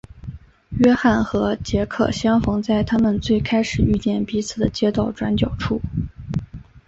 约翰和杰克相逢在他们最开始遇见彼此的街道转角处。